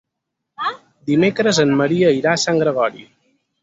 Dimecres en Maria irà a Sant Gregori.